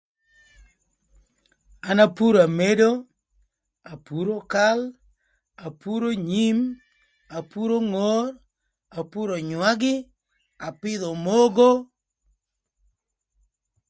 An apuro amëdö, apuro kal, apuro nyim, apuro ngor, apuro önywagï, apïdhö omogo.